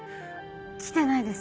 来てないです